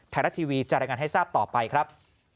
ไทยรัฐทีวีจะรายงานให้ทราบต่อไปครับ